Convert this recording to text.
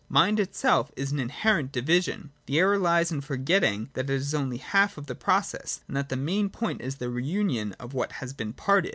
Mind itself is an inherent division. The error hes in for getting that this is only one half of the process, and that the main point is the re union of what has been parted.